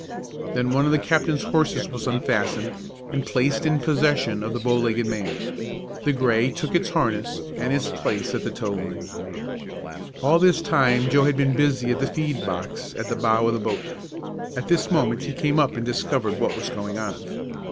Then one of the captain's horses was unfastened, and placed in possession of the bow legged man. The gray took its harness, and its place at the tow line. All this time Joe had been busy at the feed box at the bow of the boat. At this moment he came up and discovered what was going on.